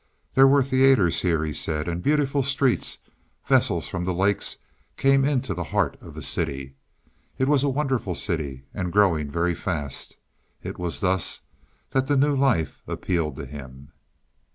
There were theaters here, he said, and beautiful streets. Vessels from the lakes came into the heart of the city. It was a wonderful city, and growing very fast. It was thus that the new life appealed to him.